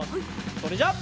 それじゃあ。